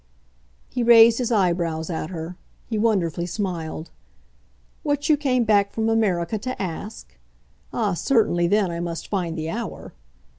He raised his eyebrows at her he wonderfully smiled. "What you came back from America to ask? Ah, certainly then, I must find the hour!"